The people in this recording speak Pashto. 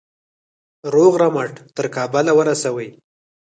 روغ رمټ تر کابله ورسوي.